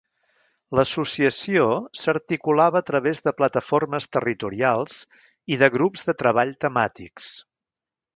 L'associació s'articulava a través de plataformes territorials i de grups de treball temàtics.